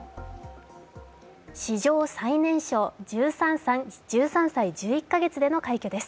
史上最年少１３歳１１か月での快挙です。